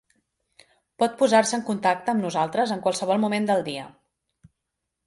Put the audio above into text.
Pot posar-se en contacte amb nosaltres en qualsevol moment del dia.